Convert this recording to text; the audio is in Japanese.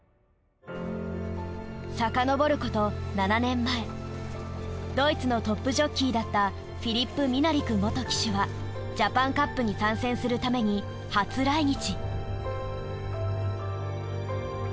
遡ること７年前ドイツのトップジョッキーだったフィリップ・ミナリク元騎手はジャパンカップに参戦するために初来日。